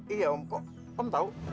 iya om om tahu